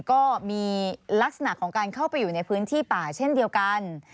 ก็มีลักษณะของการเข้าไปอยู่ในพื้นที่ป่าเช่นเดียวกัน